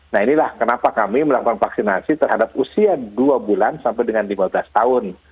nah inilah kenapa kami melakukan vaksinasi terhadap usia dua bulan sampai dengan lima belas tahun